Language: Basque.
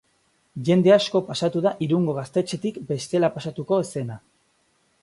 Jende asko pasatu da Irungo gaztetxetik bestela pasatuko ez zena.